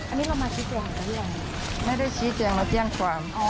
อันนี้เรามาชี้แจงไม่ได้ชี้แจงเราแจ้งความ